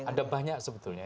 ada banyak sebetulnya